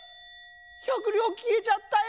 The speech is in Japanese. １００りょうきえちゃったよ！